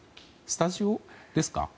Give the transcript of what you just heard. スタジオですか？